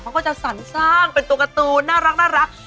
เขาก็จะสรรสร้างเป็นตัวการ์ตูนน่ารัก